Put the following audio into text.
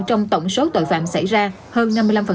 trong tổng số tội phạm xảy ra hơn năm mươi năm